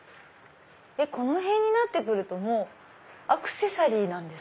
この辺になって来るともうアクセサリーなんですか？